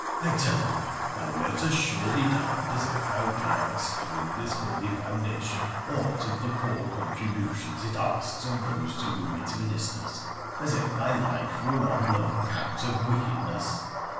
I tell thee thou wert as surely damned if thou diedst owing this holy foundation aught of the poor contributions it asks of those to whom it ministers as if thy life were one long count of wicked ness